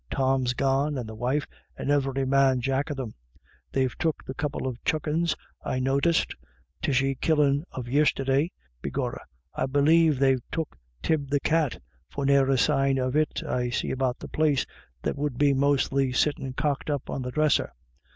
" Tom's gone, and the wife, and every man jack of them. They've took the couple of chuckens I noticed Tishy killin' of yisterday — begorrah, I believe they've took Tib the cat, for ne'er a sign of it I see about the place, that would mostly be sittin' COMING AND GOING. 299 cocked up on the dresser.